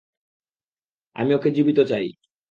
আমি ওকে জীবিত চাই।